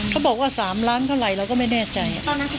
เขาบอกว่า๓ล้านเท่าไหร่เราก็ไม่แน่ใจ